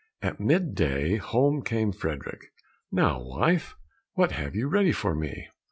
At mid day home came Frederick: "Now, wife, what have you ready for me?"